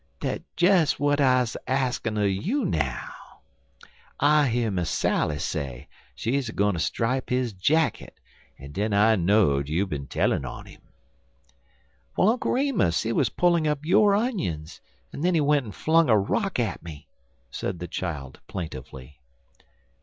"Dat des w'at I'm a axin' un you now. I hear Miss Sally say she's a gwineter stripe his jacket, en den I knowed you bin tellin' on 'im." "Well, Uncle Remus, he was pulling up your onions, and then he went and flung a rock at me, said the child, plaintively.